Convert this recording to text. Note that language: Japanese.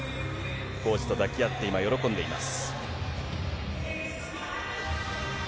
コーチと抱き合って今、喜んでいます。